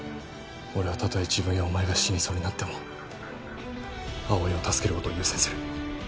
俺はたとえ自分やお前が死にそうになっても葵を助ける事を優先する。